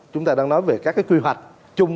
chúng ta đang nói về các quy hoạch chung